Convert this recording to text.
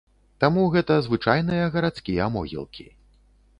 Таму гэта звычайныя гарадскія могілкі.